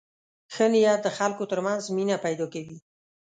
ښه نیت د خلکو تر منځ مینه پیدا کوي.